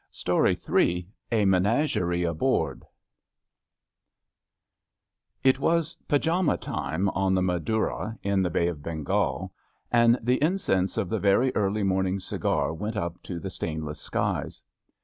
"" Yes," said L A MENAGEEIE ABOARD T T was pyjama time on the Madura in the Bay of Bengal, and the incense of the very early morning cigar went up to the stainless skies.